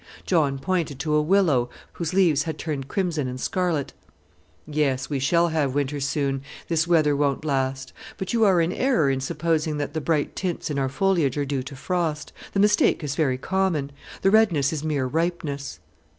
John pointed to a willow whose leaves had turned crimson and scarlet. "Yes, we shall have winter soon; this weather won't last. But you are in error in supposing that the bright tints in our foliage are due to frost; the mistake is very common. The redness is mere ripeness."